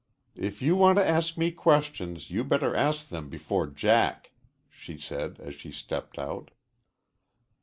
"If you want to ask me questions you'd better ask them before Jack," she said as she stepped out.